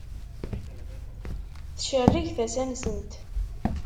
Tcerreg tasa-nsent.